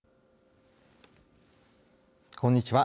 こんにちは。